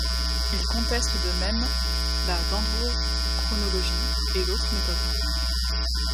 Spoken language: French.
Il conteste de même la dendrochronologie et d'autres méthodes.